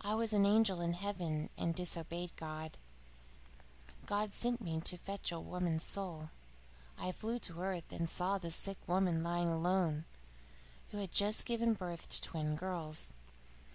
I was an angel in heaven and disobeyed God. God sent me to fetch a woman's soul. I flew to earth, and saw a sick woman lying alone, who had just given birth to twin girls.